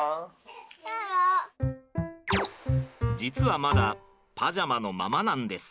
実はまだパジャマのままなんです。